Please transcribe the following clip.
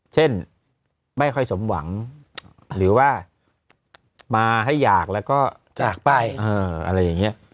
เช่นไม่ค่อยสมหวังหรือว่ามาให้อยากแล้วก็จากไปอะไรอย่างนี้